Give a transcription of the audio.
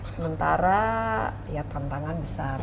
sementara ya tantangan besar